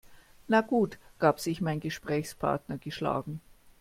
Na gut, gab sich mein Gesprächspartner geschlagen.